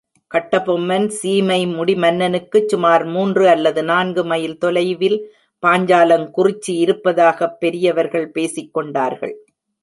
கட்டபொம்மன் சீமை முடிமன்னுக்குச் சுமார் மூன்று அல்லது நான்கு மைல் தொலைவில் பாஞ்சாலங்குறிச்சி இருப்பதாகப் பெரியவர்கள் பேசிக் கொண்டார்கள்.